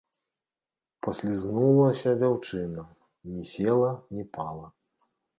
Паслізнулася дзяўчына, ні села, ні пала.